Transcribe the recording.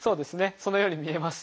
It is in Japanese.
そのように見えます。